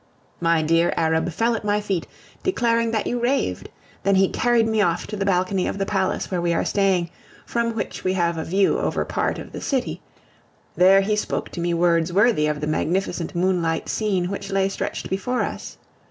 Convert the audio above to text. My dear Arab fell at my feet, declaring that you raved. Then he carried me off to the balcony of the palace where we are staying, from which we have a view over part of the city; there he spoke to me words worthy of the magnificent moonlight scene which lay stretched before us.